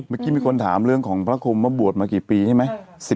เมื่อกี้มีคนถามเรื่องของพระคมว่าบวชมากี่ปีใช่ไหม